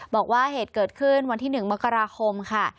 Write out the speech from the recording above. บอกว่าเหตุเกิดขึ้นวันที่๑มกราคมค่ะ